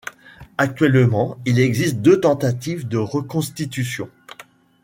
Actuellement, il existe deux tentatives de reconstitutions.